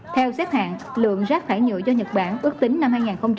theo xét hạn lượng giác thải nhựa do nhật bản ước tính năm hai nghìn một mươi